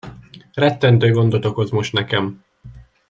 Rettentő gondot okoz most nekem.